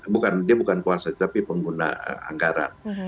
bukan dia bukan kuasa tapi pengguna anggaran